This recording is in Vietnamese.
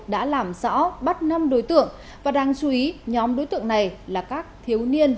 đã làm rõ bắt năm đối tượng và đáng chú ý nhóm đối tượng này là các thiếu niên